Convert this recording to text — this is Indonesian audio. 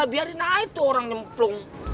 biarin naik tuh orang nyemplung